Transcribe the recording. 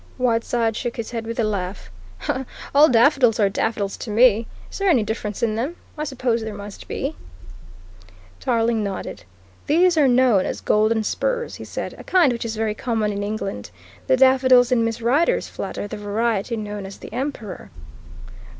Whiteside shook his head with a laugh. "All daffodils are daffodils to me. Is there any difference in them? I suppose there must be." Tarling nodded. "These are known as Golden Spurs," he said, "a kind which is very common in England. The daffodils in Miss Rider's flat are the variety known as the Emperor."